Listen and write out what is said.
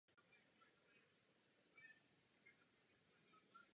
Studoval na Odborné keramické škole v Bechyni a poté na Uměleckoprůmyslové škole v Praze.